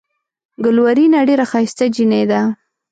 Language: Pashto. ګلورينه ډېره ښائسته جينۍ ده۔